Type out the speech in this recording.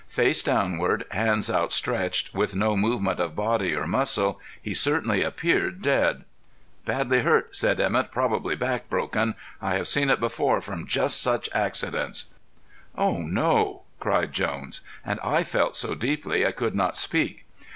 Face downward, hands outstretched, with no movement of body or muscle, he certainly appeared dead. "Badly hurt," said Emett, "probably back broken. I have seen it before from just such accidents." "Oh no!" cried Jones, and I felt so deeply I could not speak.